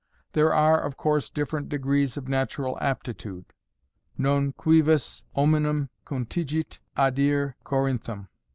There are, of course, different degrees of natural aptitude. a Non cuivis hominum contingit adire Corinthum.